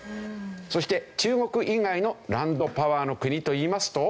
そして中国以外のランドパワーの国といいますと。